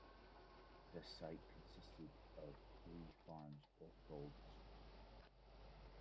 The site consisted of three farms or folds.